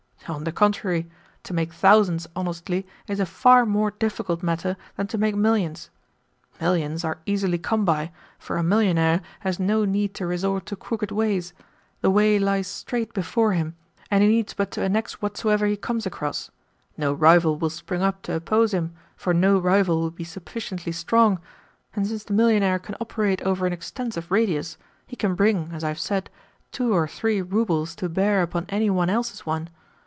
"On the contrary, to make thousands honestly is a far more difficult matter than to make millions. Millions are easily come by, for a millionaire has no need to resort to crooked ways; the way lies straight before him, and he needs but to annex whatsoever he comes across. No rival will spring up to oppose him, for no rival will be sufficiently strong, and since the millionaire can operate over an extensive radius, he can bring (as I have said) two or three roubles to bear upon any one else's one.